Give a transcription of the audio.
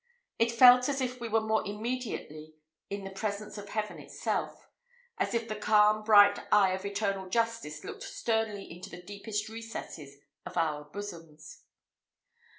It felt as if we were more immediately in the presence of Heaven itself as if the calm, bright eye of eternal Justice looked sternly into the deepest recesses of our bosoms.